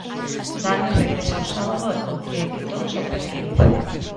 Dani regresa o sábado e confía en que todo se tranquilice.